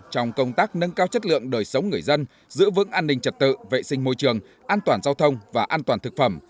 trong công tác nâng cao chất lượng đời sống người dân giữ vững an ninh trật tự vệ sinh môi trường an toàn giao thông và an toàn thực phẩm